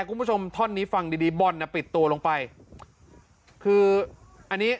คุณผู้ชมท่อฟังดีดีบอลน่ะปิดตัวลงไปคืออันนี้